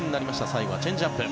最後はチェンジアップ。